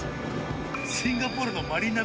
シンガポールのハハハ